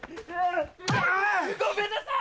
ごめんなさい！